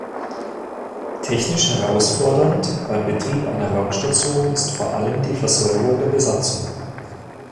Technisch herausfordernd beim Betrieb einer Raumstation ist vor allem die Versorgung der Besatzung.